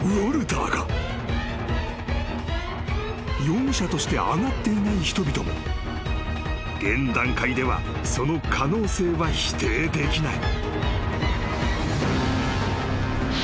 ［容疑者として挙がっていない人々も現段階ではその可能性は否定できない］